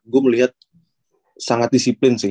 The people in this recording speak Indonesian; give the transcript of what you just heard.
gue melihat sangat disiplin